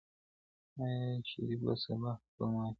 آیا شریف به سبا خپل معاش واخلي؟